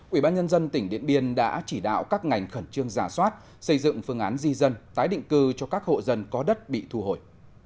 ủy ban nhân dân tỉnh điện biên đã chỉ đạo các ngành khẩn trương giả soát xây dựng phương án di dân tái định cư cho các hộ dân có đất bị thu hồi